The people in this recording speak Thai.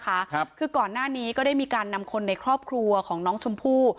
ครับคือก่อนหน้านี้ก็ได้มีการนำคนในครอบครัวของน้องชมพู่